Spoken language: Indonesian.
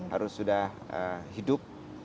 harus sudah hidup